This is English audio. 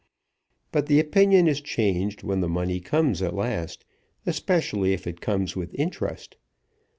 But the opinion is changed when the money comes at last, especially if it comes with interest.